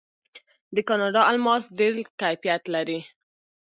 د کاناډا الماس ډیر کیفیت لري.